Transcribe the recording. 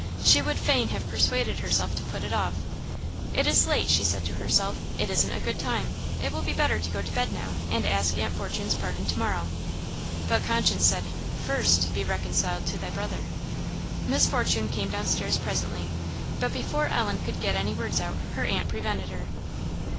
She would fain have persuaded herself to put it off. "It is late," she said to herself; "it isn't a good time. It will be better to go to bed now, and ask Aunt Fortune's pardon to morrow." But conscience said, "First be reconciled to thy brother." Miss Fortune came down stairs presently. But before Ellen could get any words out, her aunt prevented her.